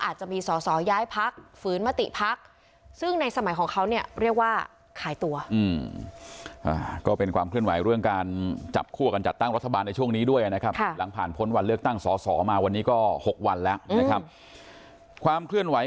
อาจจะมีสอสอย้ายพักฝืนมติพักซึ่งในสมัยของเขาเนี่ยเรียกว่าขายตัว